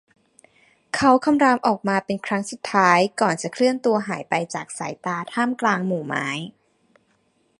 เขาคำรามออกมาเป็นครั้งสุดท้ายก่อนจะเคลื่อนตัวหายไปจากสายตาท่ามกลางหมู่ไม้